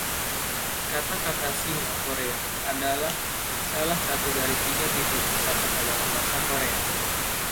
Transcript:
Kata-kata Sino-Korea adalah salah satu dari tiga tipe kosa kata dalam Bahasa Korea.